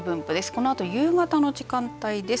このあと夕方の時間帯です。